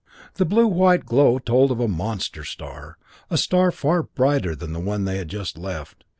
The blue white glow told of a monster star, a star far brighter than the one they had just left.